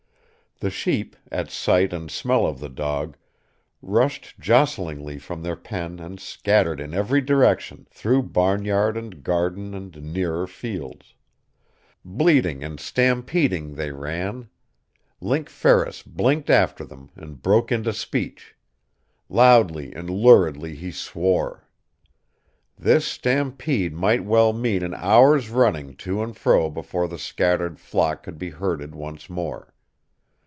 The sheep, at sight and smell of the dog, rushed jostlingly from their pen and scattered in every direction, through barnyard and garden and nearer fields. Bleating and stampeding, they ran. Link Ferris blinked after them, and broke into speech. Loudly and luridly he swore. This stampede might well mean an hour's running to and fro before the scattered flock could be herded once more.